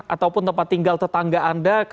atau pun tempat tinggal tetangga anda